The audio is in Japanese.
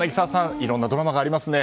いろんなドラマがありますね。